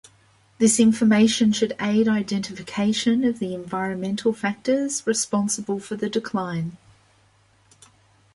This information should aid identification of the environmental factors responsible for the decline.